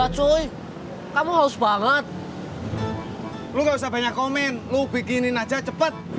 tiga coy kamu harus banget lu nggak usah banyak komen lu bikinin aja cepet